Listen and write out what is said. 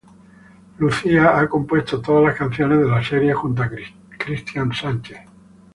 Lucía ha compuesto todas las canciones de la serie junto a Christian Sánchez.